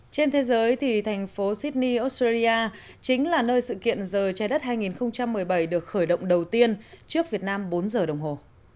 trên thế giới thì thành phố sydney australia chính là nơi sự kiện giờ trái đất hai nghìn một mươi bảy được khởi động đầu tiên trước việt nam bốn giờ đồng hồ